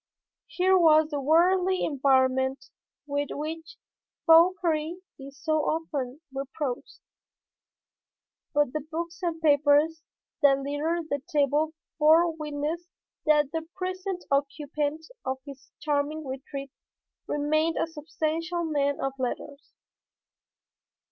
Here was the worldly environment with which Fauchery is so often reproached. But the books and papers that littered the table bore witness that the present occupant of this charming retreat remained a substantial man of letters.